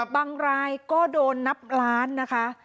บางรายก็โดนนับล้านนะคะ